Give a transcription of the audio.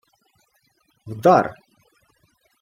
— Вдар!